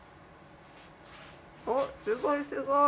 ・おっすごいすごい！